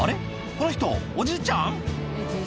この人おじいちゃん？